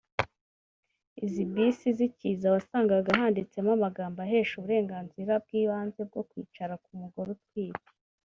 Izi bisi zikiza wasangaga handitsemo amagambo ahesha uburenganzira bw’ibanze bwo kwicara ku mugore utwite